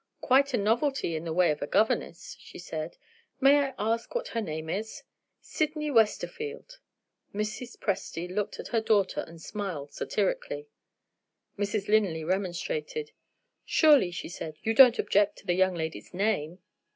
"Quite a novelty in the way of a governess," she said. "May I ask what her name is?" "Sydney Westerfield." Mrs. Presty looked at her daughter and smiled satirically. Mrs. Linley remonstrated. "Surely," she said, "you don't object to the young lady's name!"